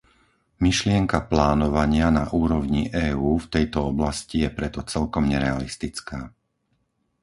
Myšlienka plánovania na úrovni EÚ v tejto oblasti je preto celkom nerealistická.